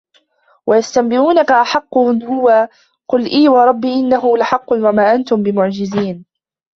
ويستنبئونك أحق هو قل إي وربي إنه لحق وما أنتم بمعجزين